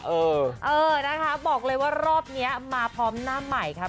เออเออนะคะบอกเลยว่ารอบนี้มาพร้อมหน้าใหม่ค่ะ